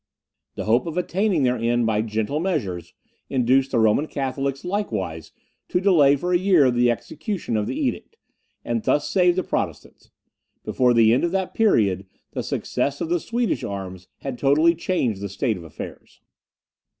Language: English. The hope of attaining their end by gentle measures, induced the Roman Catholics likewise to delay for a year the execution of the edict, and this saved the Protestants; before the end of that period, the success of the Swedish arms had totally changed the state of affairs.